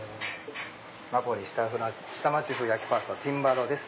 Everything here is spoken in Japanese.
ナポリ下町風焼きパスタティンバッロです。